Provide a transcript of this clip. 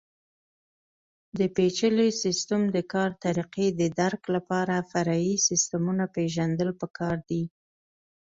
د پېچلي سیسټم د کار طریقې د درک لپاره فرعي سیسټمونه پېژندل پکار دي.